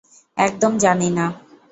একদম জানি না।